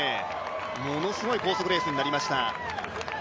ものすごい高速レースになりました。